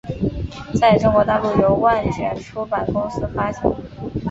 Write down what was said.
在中国大陆由万卷出版公司发行。